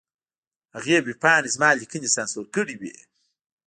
هغې ویبپاڼې زما لیکنې سانسور کړې وې.